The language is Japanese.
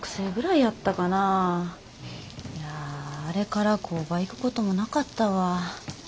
いやあれから工場行くこともなかったわ。